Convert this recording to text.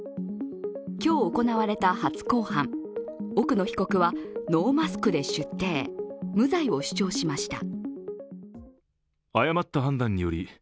今日行われた初公判奥野被告はノーマスクで出廷、無罪を主張しました。